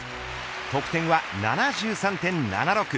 得点は７３．７６。